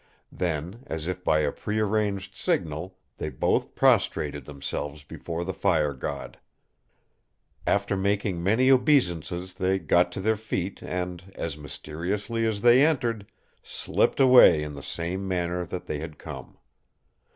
Then, as if by a prearranged signal, they both prostrated themselves before the fire god. After making many obeisances they got to their feet and, as mysteriously as they entered, slipped away in the same manner that they had come.